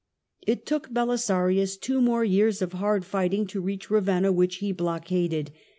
It took Belisarius two more years of hard fighting to reach Ravenna, which he blockaded.